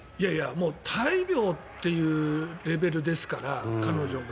大病っていうレベルですから、彼女は。